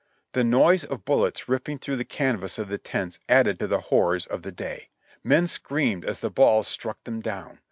The noise of bullets ripping through the canvas of the tents added to the horrors of the day. Men screamed as the balls struck them down.